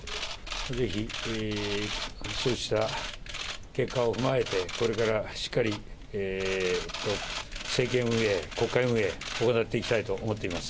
ぜひ、そうした結果を踏まえて、これからしっかり政権運営、国会運営、行っていきたいと思っています。